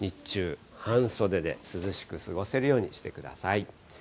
日中、半袖で涼しく過ごせるようにしてください。